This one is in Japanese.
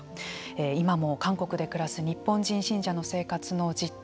今も韓国で暮らす日本人信者の生活の実態